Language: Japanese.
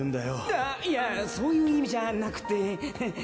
あっいやそういう意味じゃなくって。